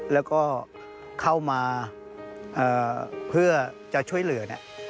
แล้วก็เข้ามาเพื่อจะช่วยเหลือเนี่ย